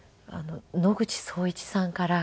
野口聡一さんから。